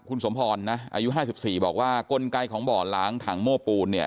คุณสมพรนะอายุ๕๔บอกว่ากลไกของบ่อล้างถังโม้ปูนเนี่ย